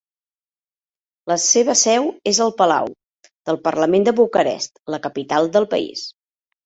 La seva seu és el Palau del Parlament de Bucarest, la capital del país.